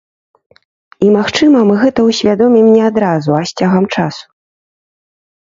І, магчыма, мы гэта ўсвядомім не адразу, а з цягам часу.